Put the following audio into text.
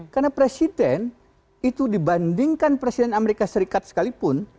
karena presiden itu dibandingkan presiden amerika serikat sekalipun